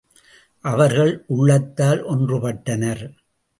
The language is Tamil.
அவர்கள் உள்ளத்தால் ஒன்று பட்டனர்.